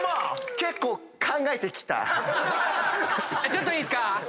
ちょっといいっすか？